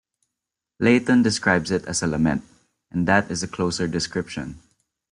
Layton describes it as a lament and that is a closer description.